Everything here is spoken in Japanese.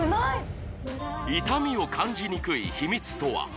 痛みを感じにくい秘密とは？